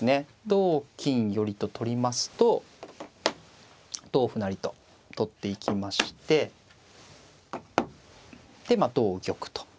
同金寄と取りますと同歩成と取っていきましてでまあ同玉と。